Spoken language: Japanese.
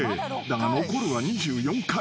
［だが残るは２４回。